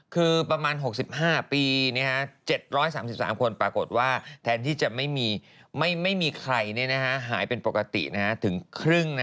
คือประมาณ๖๕ปี๗๓๓คนปรากฏว่าแทนที่จะไม่มีใครหายเป็นปกติถึงครึ่ง